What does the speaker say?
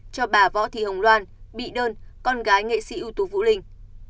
cho bà võ thị hồng loan bị đơn con gái nghệ sĩ ưu tú vũ linh